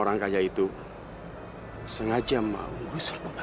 dan kekesatan kamu